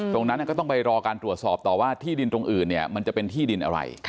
ตรงนั้นก็ต้องไปรอการตรวจสอบต่อว่าที่ดินตรงอื่นเนี่ยมันจะเป็นที่ดินอะไร